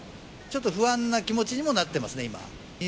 ちょっと不安な気持ちにもなってますね、今。